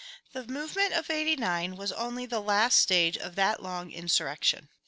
The movement of '89 was only the last stage of that long insurrection.